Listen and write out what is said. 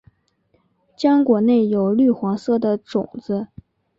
浆果内有绿黄色的种子。